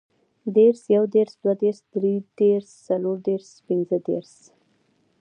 دېرس, یودېرس, دودېرس, درودېرس, څلوردېرس, پنځهدېرس